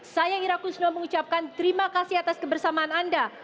saya irakun suno mengucapkan terima kasih atas kebersamaan anda